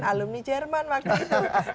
dan alumni jerman waktu itu